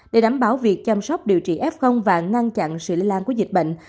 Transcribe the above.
để đảm bảo việc chăm sóc điều trị f và ngăn chặn sự lây lan của dịch bệnh